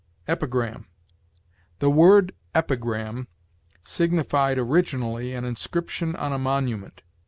EPIGRAM. "The word epigram signified originally an inscription on a monument.